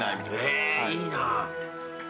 えいいな。